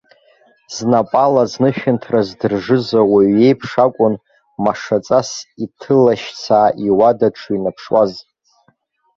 Знапала знышәынҭра здыржыз ауаҩ иеиԥш акәын машаҵас иҭылашьцаа иуада дшыҩнаԥшуаз.